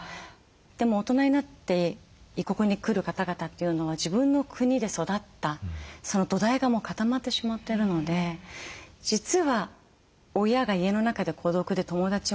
でも大人になって異国に来る方々というのは自分の国で育ったその土台がもう固まってしまってるので実は親が家の中で孤独で友達もいない。